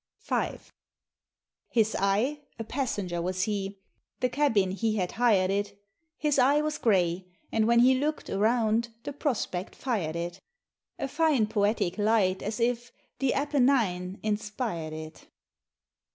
V. His eye a passenger was he, The cabin he had hired it, His eye was gray, and when he look'd Around, the prospect fired it, A fine poetic light, as if The Appe Nine inspir'd it.